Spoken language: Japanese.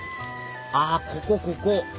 あここここ！